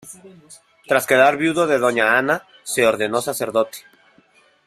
Tras quedar viudo de doña Ana, se ordenó sacerdote.